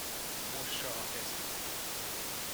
Mossa a kezét.